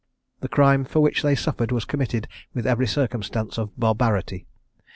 The crime for which they suffered was committed with every circumstance of barbarity.